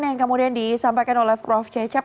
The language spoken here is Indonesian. yang kemudian disampaikan oleh prof cecep